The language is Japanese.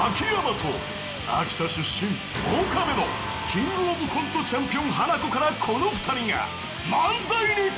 ［キングオブコントチャンピオンハナコからこの２人が漫才に挑戦］